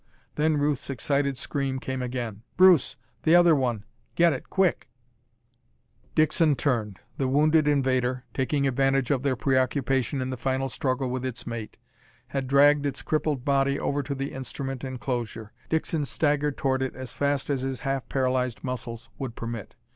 Then Ruth's excited scream came again. "Bruce the other one! Get it quick!" Dixon turned. The wounded invader, taking advantage of their preoccupation in the final struggle with its mate, had dragged its crippled body over to the instrument enclosure. Dixon staggered toward it as fast as his half paralyzed muscles would permit.